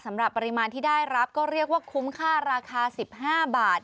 สำหรับปริมาณที่ได้รับก็เรียกว่าคุ้มค่าราคา๑๕บาท